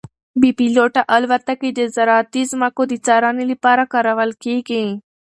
بې پیلوټه الوتکې د زراعتي ځمکو د څارنې لپاره کارول کیږي.